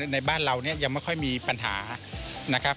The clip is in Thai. ในบ้านเราเนี่ยยังไม่ค่อยมีปัญหานะครับ